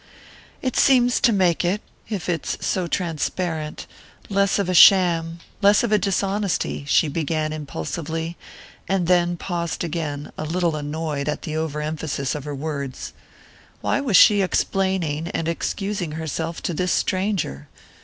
"It seems to make it if it's so transparent less of a sham, less of a dishonesty," she began impulsively, and then paused again, a little annoyed at the overemphasis of her words. Why was she explaining and excusing herself to this stranger?